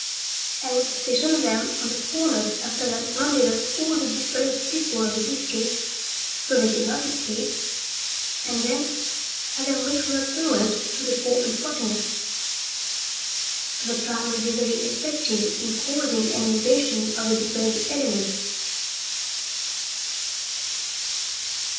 I would station them on the corners after they had rounded up all the depraved people of the district so they could not escape, and then have them read from their poems to the poor unfortunates. The plan would be very effective in causing an emigration of the depraved element.